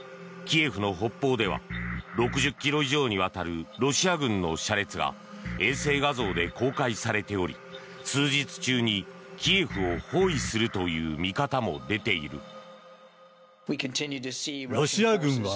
キエフの北方では６０ｋｍ以上にわたるロシア軍の車列が衛星画像で公開されており数日中にキエフを包囲するという見方も出ている。